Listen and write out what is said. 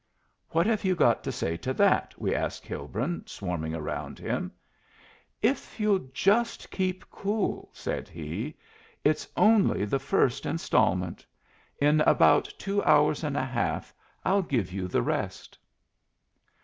"What have you got to say to that?" we asked Hilbrun, swarming around him. "If you'll just keep cool," said he "it's only the first instalment. In about two hours and a half I'll give you the rest."